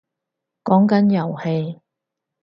講緊遊戲